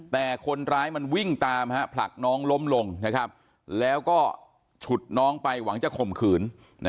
แต่คนร้ายมันวิ่งตามผลักน้องล้มลงแล้วก็ฉุดน้องไปหวังจะข่มขืน